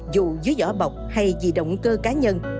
dù dưới vỏ bọc hay vì động cơ cá nhân